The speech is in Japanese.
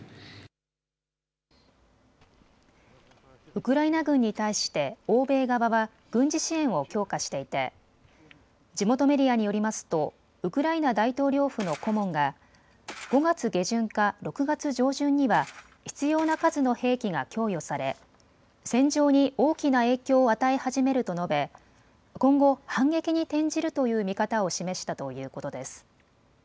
ウクライナ軍に対して欧米側は軍事支援を強化していて地元メディアによりますとウクライナ大統領府の顧問が５月下旬か６月上旬には必要な数の兵器が供与され戦場に大きな影響を与え始めると述べ今後、反撃に転じるという見方を示したということです。